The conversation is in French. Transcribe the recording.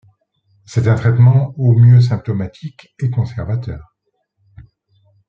C'est un traitement au mieux symptomatique et conservateur.